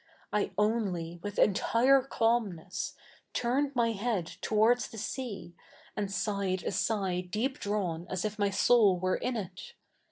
I only, with enti7'e cabnness, turned 7?iy head towards the sea, a7id sighed a sigh deep drawn as if my soul were i7i it.